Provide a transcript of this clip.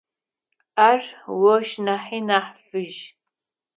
Ар ощ нахьи нахь фыжь.